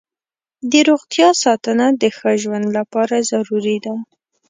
د روغتیا ساتنه د ښه ژوند لپاره ضروري ده.